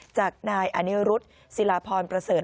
จากนายอนิรุธศิลาพรประเสริฐ